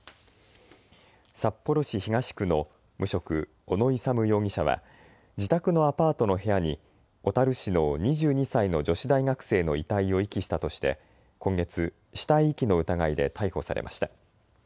札幌市東区の無職、小野勇容疑者は自宅のアパートの部屋に小樽市の２２歳の女子大学生の遺体を遺棄したとして今月、死体遺棄の疑いで逮捕されました。